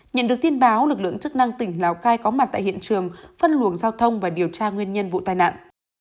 nhận được tin báo lực lượng chức năng tỉnh lào cai có mặt tại hiện trường phân luồng giao thông và điều tra nguyên nhân vụ tai nạn